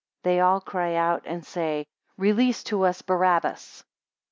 5 They all cry out, and say, Release to us Barabbas.